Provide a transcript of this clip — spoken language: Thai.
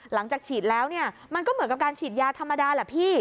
หลังจากฉีดแล้วเนี่ยมันก็เหมือนกับการฉีดยาธรรมดาแหละพี่